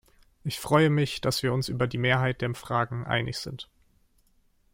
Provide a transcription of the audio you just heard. Ich freue mich, dass wir uns über die Mehrheit der Fragen einig sind.